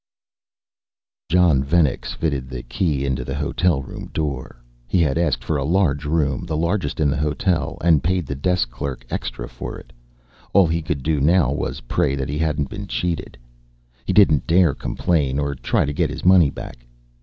Jon Venex fitted the key into the hotel room door. He had asked for a large room, the largest in the hotel, and paid the desk clerk extra for it. All he could do now was pray that he hadn't been cheated. He didn't dare complain or try to get his money back.